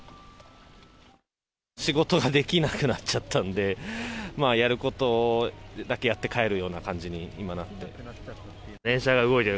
仕事ができなくなっちゃったんで、やることをだけやって帰る感じに、今なってます。